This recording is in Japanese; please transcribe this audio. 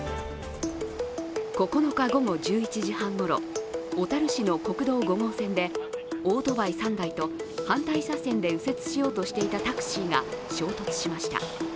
９日午後１１時半ごろ小樽市の国道５号線でオートバイ３台と反対車線で右折しようとしていたタクシーが衝突しました。